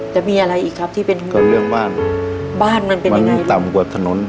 จะมีอะไรอีกครับที่เป็นก็เรื่องบ้านบ้านมันเป็นยังไงต่ำกว่าถนน